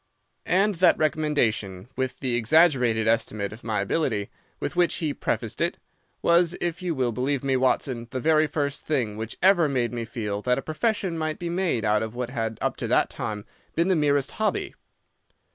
"And that recommendation, with the exaggerated estimate of my ability with which he prefaced it, was, if you will believe me, Watson, the very first thing which ever made me feel that a profession might be made out of what had up to that time been the merest hobby.